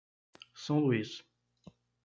São Luiz